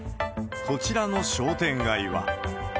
こちらの商店街は。